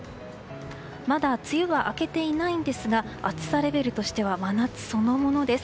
まだ梅雨が明けていないんですが暑さレベルとしては真夏そのものです。